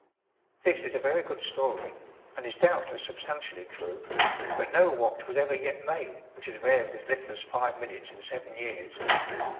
This is a very good story, and is doubtless substantially true; but no watch was ever yet made which has varied as little as five minutes in seven years.